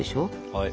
はい。